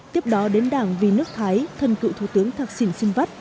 tiếp đó đến đảng vì nước thái thân cựu thủ tướng thạc xỉn sinh vắt